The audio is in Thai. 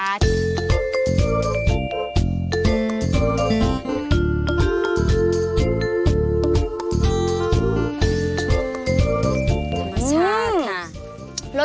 ธรรมชาติค่ะ